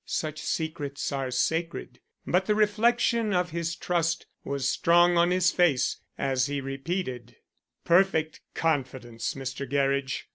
Such secrets are sacred; but the reflection of his trust was strong on his face as he repeated: "Perfect confidence, Mr. Gerridge.